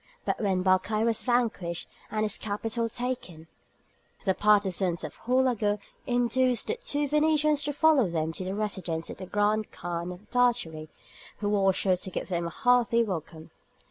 But when Barkaï was vanquished and his capital taken, the partisans of Houlagou induced the two Venetians to follow them to the residence of the grand Khan of Tartary, who was sure to give them a hearty welcome.